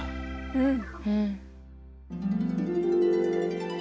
うん。